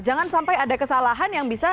jangan sampai ada kesalahan yang bisa